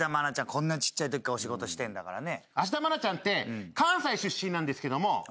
こんなちっちゃいときからお仕事してんだからね。